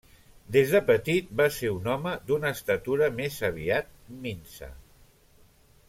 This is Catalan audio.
Des de petit va ser un home d'una estatura més aviat minsa.